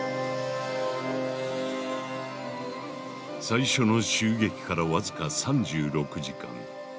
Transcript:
最初の襲撃から僅か３６時間。